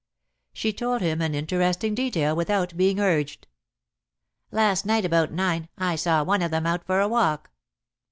She told him an interesting detail without being urged. "Last night about nine I saw one of them out for a walk."